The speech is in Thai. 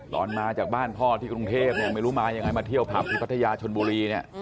ตอนมาจากบ้านพ่อที่กรุงเทพไม่รู้มายังไงมาเที่ยวผับที่พัทยาชนบุรีเนี่ย